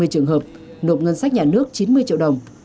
hai mươi trường hợp nộp ngân sách nhà nước chín mươi triệu đồng